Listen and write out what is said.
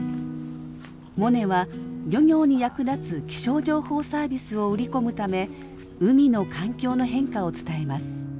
モネは漁業に役立つ気象情報サービスを売り込むため海の環境の変化を伝えます。